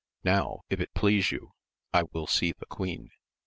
Now, if it please you, I will see the queen.